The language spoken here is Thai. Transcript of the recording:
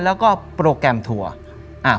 แล้วก็โปรแกรมทัวร์